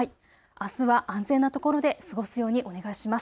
あすは安全なところで過ごすようにお願いします。